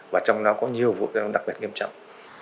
và trong đó có nhiều vụ tai nạn giao thông đặc biệt nghiêm trọng